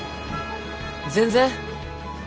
全然。